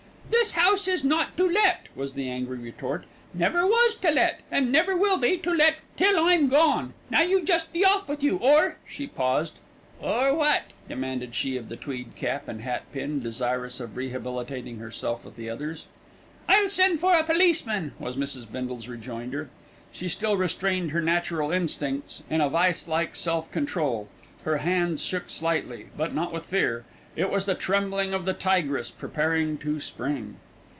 "This house is not to let," was the angry retort, "never was to let, and never will be to let till I'm gone. Now you just be off with you, or " she paused. "Or wot?" demanded she of the tweed cap and hat pin, desirous of rehabilitating herself with the others. "I'll send for a policeman," was Mrs. Bindle's rejoinder. She still restrained her natural instincts in a vice like self control. Her hands shook slightly; but not with fear. It was the trembling of the tigress preparing to spring.